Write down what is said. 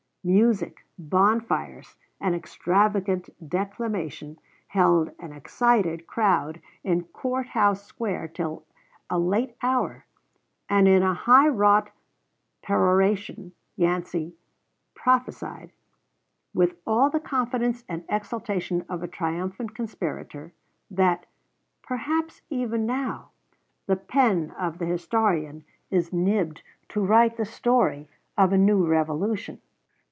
Music, bonfires, and extravagant declamation held an excited crowd in Court house Square till a late hour; and in a high wrought peroration Yancey prophesied, with all the confidence and exultation of a triumphant conspirator, that "perhaps even now the pen of the historian is nibbed to write the story of a new revolution."